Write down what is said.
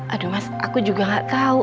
aduh mas aku juga ga tau